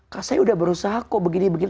kak saya udah berusaha kok begini begini